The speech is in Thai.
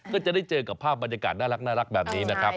ก็จะได้เจอกับภาพบรรยากาศน่ารักแบบนี้นะครับ